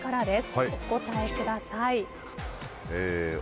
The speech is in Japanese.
お答えください。